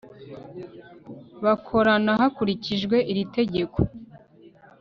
bakorana hakurikijwe iri tegeko